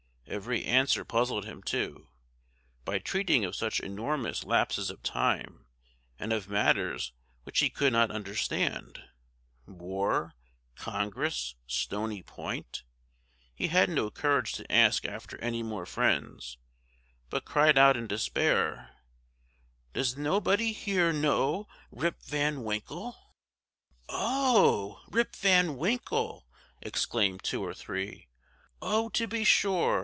Every answer puzzled him too, by treating of such enormous lapses of time, and of matters which he could not understand: war Congress Stony Point; he had no courage to ask after any more friends, but cried out in despair, "Does nobody here know Rip Van Winkle?" "Oh, Rip Van Winkle!" exclaimed two or three. "Oh, to be sure!